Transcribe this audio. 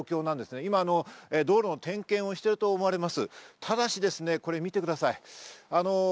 今、道路の点検をしていると思われます。